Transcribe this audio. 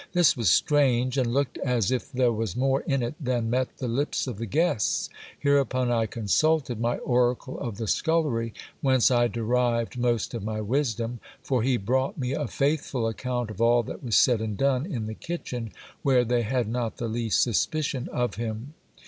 This was strange ; and looked as if there was more in it than met the lips of the guests. Hereupon I consulted my oracle of the scullery, whence I derived most of my wisdom : for he brought me a faithful account of all that was said and done in the kitchen, where they had not the least suspicion of him.